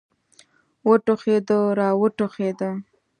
وټوخېده را وټوخېده.